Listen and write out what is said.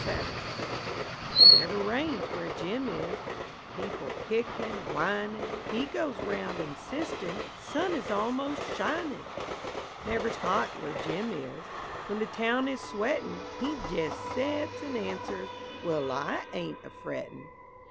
SABIN Never rains where Jim is People kickin', whinin'; He goes round insistin', "Sun is almost shinin'!" Never's hot where Jim is When the town is sweatin'; He jes' sets and answers, "Well, I ain't a frettin'!"